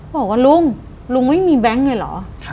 บอกว่าลุงลุงไม่มีแบงค์เลยเหรอ